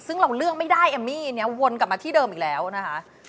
ซึ่งเราเลือกไม่ได้เอมมี่เนี่ยวนกลับมาที่เดิมอีกแล้วนะคะ